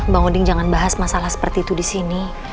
bang udin jangan bahas masalah seperti itu di sini